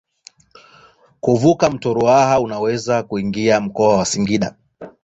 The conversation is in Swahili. Kwa kuvuka mto Ruaha unaweza kuingia mkoa wa Singida.